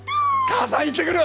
母さん行ってくる！